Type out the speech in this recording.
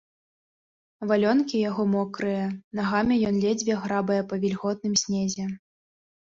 Валёнкі яго мокрыя, нагамі ён ледзьве грабае па вільготным снезе.